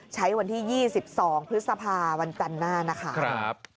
ใช้วันที่๒๒พฤษภาวันจันทร์หน้านะคะ